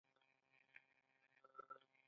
د ادرار د څڅیدو لپاره د څه شي تخم وخورم؟